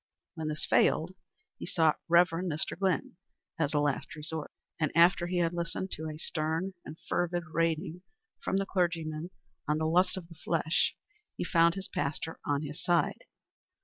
When this failed, he sought Rev. Mr. Glynn as a last resort, and, after he had listened to a stern and fervid rating from the clergyman on the lust of the flesh, he found his pastor on his side.